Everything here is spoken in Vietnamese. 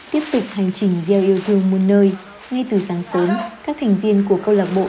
tiếp tục hành trình gieo yêu thương môn nơi ngay từ sáng sớm các thành viên của câu lạc bộ